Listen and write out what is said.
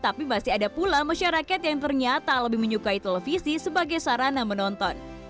tapi masih ada pula masyarakat yang ternyata lebih menyukai televisi sebagai sarana menonton